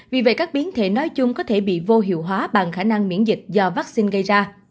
vì vậy các biến thể nói chung có thể bị vô hiệu hóa bằng khả năng miễn dịch do vaccine gây ra